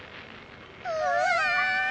うわ！